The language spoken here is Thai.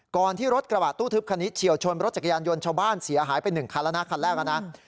ที่รถกระบะตู้ทึบคันนี้เฉียวชนรถจักรยานยนต์ชาวบ้านเสียหายไป๑คันแล้วนะคันแรกนะ